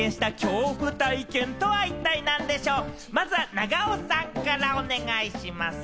長尾さんからお願いします。